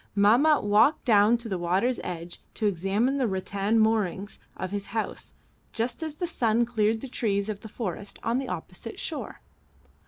Mahmat walked down to the water's edge to examine the rattan moorings of his house just as the sun cleared the trees of the forest on the opposite shore.